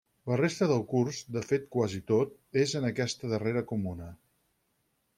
La resta del curs, de fet quasi tot, és en aquesta darrera comuna.